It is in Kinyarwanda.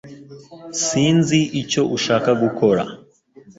Sinzi icyo ushaka gukora